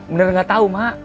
benar enggak tahu mak